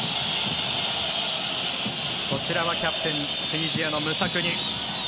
こちらはキャプテンチュニジアのムサクニ。